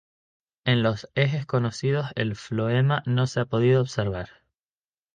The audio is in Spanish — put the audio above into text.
En los ejes conocidos el floema no se ha podido observar.